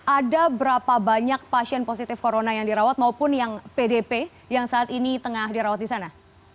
ada berapa banyak pasien positif corona yang dirawat maupun yang pdp yang saat ini tengah dirawat di sana